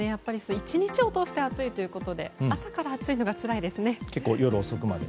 １日を通して暑かったので朝から暑いのがつらいですね。